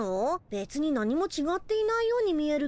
べつになにもちがっていないように見えるけど。